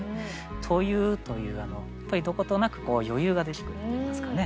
「といふ」というどことなく余裕が出てくるといいますかね。